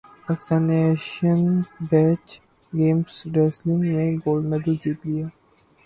پاکستان نےایشئین beach games wrestling میں gold medal جیت لیا